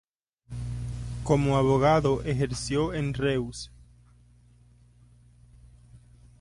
Como abogado ejerció en Reus.